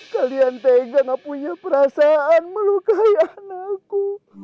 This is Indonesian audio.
kalian tega punya perasaan melukai anakku